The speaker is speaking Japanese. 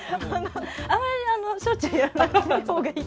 あまりしょっちゅうやらない方がいいと思います。